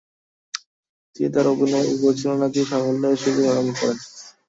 তিনি তার অভিনয় ও পরিচালনা দিয়ে সাফল্যের শিখরে আরোহণ করেন।